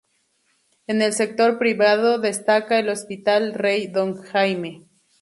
En el sector privado, destaca el Hospital Rey Don Jaime.